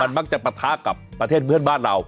มักจะปะทะกับประเทศเพื่อนบ้านเรา